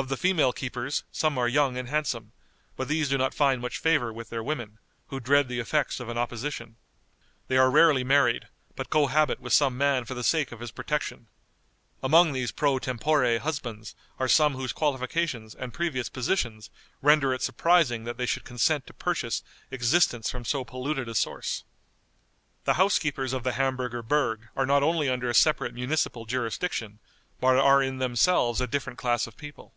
Of the female keepers some are young and handsome, but these do not find much favor with their women, who dread the effects of an opposition. They are rarely married, but cohabit with some man for the sake of his protection. Among these pro tempore husbands are some whose qualifications and previous positions render it surprising that they should consent to purchase existence from so polluted a source. The housekeepers of the Hamburger Berg are not only under a separate municipal jurisdiction, but are in themselves a different class of people.